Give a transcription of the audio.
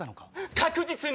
確実に！